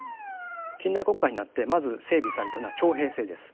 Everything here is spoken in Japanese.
近代国家になってまず整備されたのは徴兵制です。